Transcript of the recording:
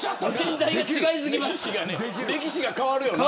歴史が変わるよな。